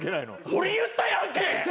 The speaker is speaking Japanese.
俺言ったやんけ！